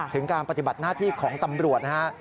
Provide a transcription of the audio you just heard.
ถึงการปฏิบัติหน้าที่ของตำรวจนะฮะ